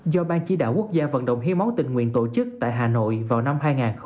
do ban chỉ đạo quốc gia vận động hiến máu tình nguyện tổ chức tại hà nội vào năm hai nghìn hai mươi